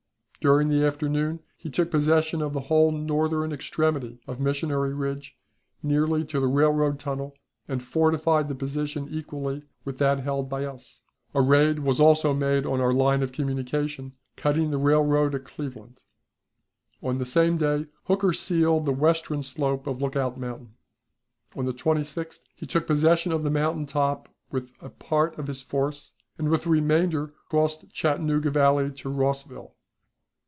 During the afternoon he took possession of the whole northern extremity of Missionary Ridge nearly to the railroad tunnel, and fortified the position equally with that held by us. A raid was also made on our line of communication, cutting the railroad at Cleveland. On the same day Hooker sealed the western slope of Lookout Mountain. On the 26th he took possession of the mountain top with a part of his force, and with the remainder crossed Chattanooga Valley to Rossville.